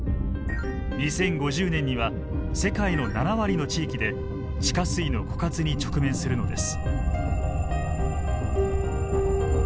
２０５０年には世界の７割の地域で地下水の枯渇に直面するのです。